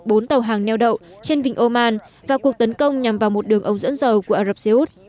bốn tàu hàng neo đậu trên vịnh oman và cuộc tấn công nhằm vào một đường ống dẫn dầu của ả rập xê út